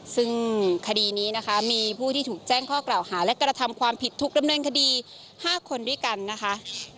ซึ่งคดีนี้นะคะมีผู้ที่ถูกแจ้งข้อกล่าวหาและกระทำความผิดถูกดำเนินคดี๕คนด้วยกันนะคะ